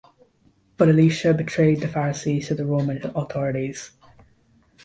But Elisha betrayed the Pharisees to the Roman authorities.